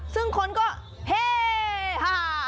ซึ่งคนก็เฮ่ห้า